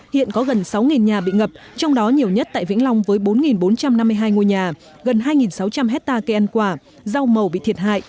hiện có gần sáu nhà bị ngập trong đó nhiều nhất tại vĩnh long với bốn bốn trăm năm mươi hai ngôi nhà gần hai sáu trăm linh hectare cây ăn quả rau màu bị thiệt hại